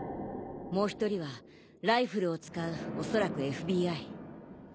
もう１人はライフルを使う恐らくＦＢＩ。